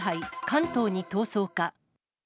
関東に逃走か？